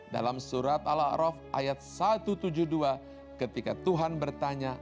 dalam surat al a'raf ayat satu ratus tujuh puluh dua ketika tuhan bertanya